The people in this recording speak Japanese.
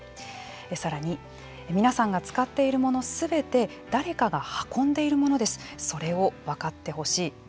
さらに皆さんが使っているものすべて誰かが運んでいるものですそれを分かってほしい。